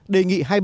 đề nghị hai b